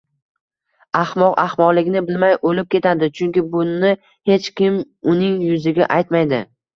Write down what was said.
Ahmoq ahmoqligini bilmay o`lib ketadi, chunki buni hech kim uning yuziga aytmaydi